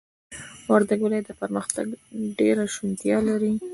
وردگ ولايت د پرمختگ ډېره شونتيا لري،